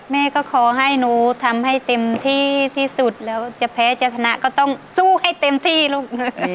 แม่ก็ขอให้หนูทำให้เต็มที่ที่สุดแล้วจะแพ้จะชนะก็ต้องสู้ให้เต็มที่ลูก